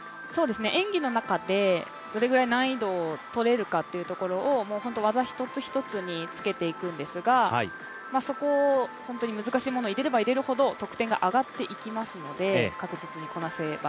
演技の中でどれぐらい難易度を取れるかというところを本当に技一つ一つにつけていくんですが、難しいものを入れれば入れるほど得点が上がっていきますので、確実にこなせば。